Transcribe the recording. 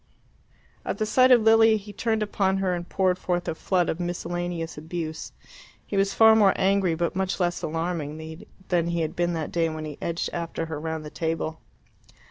At the sight of Lilia he turned upon her and poured forth a flood of miscellaneous abuse. He was far more angry but much less alarming than he had been that day when he edged after her round the table.